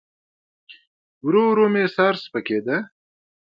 ورو ورو مې سر سپکېده.